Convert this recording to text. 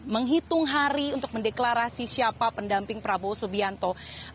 menghitung hari untuk mendeklarasi siapa pendamping prabowo subianto